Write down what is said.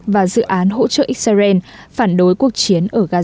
và dự án hỗ trợ israel phản đối cuộc chiến ở gaza